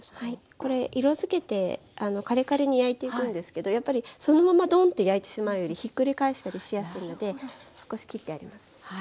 これ色づけてカリカリに焼いていくんですけどやっぱりそのままドンって焼いてしまうよりひっくり返したりしやすいので少し切ってあります。